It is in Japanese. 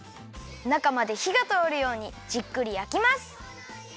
なかまでひがとおるようにじっくりやきます。